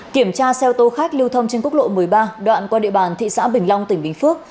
kiểm tra xe ô tô khách lưu thông trên quốc lộ một mươi ba đoạn qua địa bàn thị xã bình long tỉnh bình phước